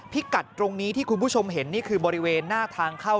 กัดตรงนี้ที่คุณผู้ชมเห็นนี่คือบริเวณหน้าทางเข้า